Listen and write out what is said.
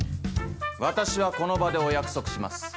私はこの場でお約束します。